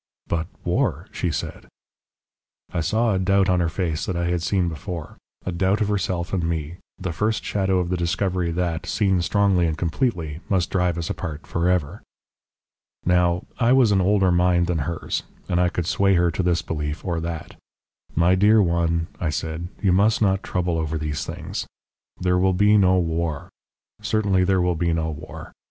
"'But war ' she said. "I saw a doubt on her face that I had seen before, a doubt of herself and me, the first shadow of the discovery that, seen strongly and completely, must drive us apart for ever. "Now, I was an older mind than hers, and I could sway her to this belief or that. "'My dear one,' I said, 'you must not trouble over these things. There will be no war. Certainly there will be no war.